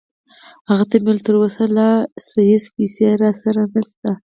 هغه ته مې وویل: تراوسه لا سویسی پیسې راسره نشته.